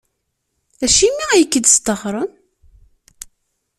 Acimi ay k-id-sṭaxren?